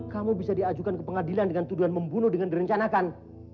kamu bisa diajukan ke pengadilan dengan tuduhan membunuh dengan direncanakan